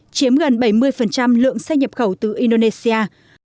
chiếm gần bảy mươi lượng xe nhập khẩu từ indonesia